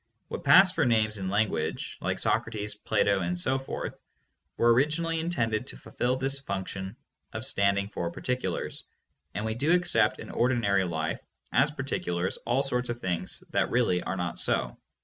What pass for names in language, like "Socrates," "Plato," and so forth, were originally intended to fulfil this function of standing for particulars, and we do accept, in ordinary daily life, as particulars all sorts of things that really are not so.